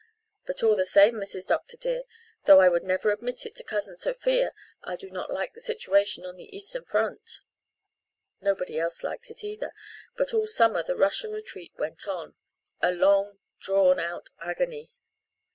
But all the same, Mrs. Dr. dear, though I would never admit it to Cousin Sophia, I do not like the situation on the eastern front." Nobody else liked it either; but all summer the Russian retreat went on a long drawn out agony.